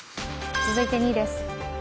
続いて２位です。